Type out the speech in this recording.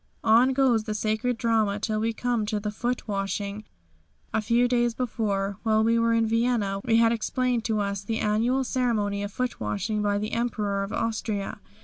On goes the sacred drama till we come to the foot washing. A few days before, while we were in Vienna, we had explained to us the annual ceremony of foot washing by the Emperor of Austria.